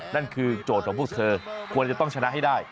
นั่นคือโจทย์ของพวกเธอควรจะต้องชนะให้ได้